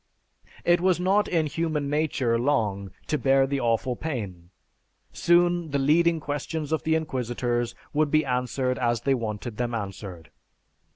It was not in human nature long to bear the awful pain; soon the leading questions of the inquisitors would be answered as they wanted them answered.